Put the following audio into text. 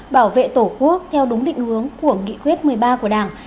bảo vệ tổ quốc theo đúng định hướng của nghị quyết một mươi ba của đảng